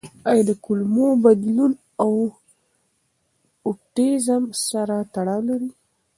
آیا د کولمو بدلون د اوټیزم سره تړاو لري؟